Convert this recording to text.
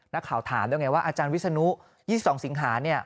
นักข่าวถามแล้วไงว่าอาจารย์วิศนุ๒๒สิงหาเนี่ย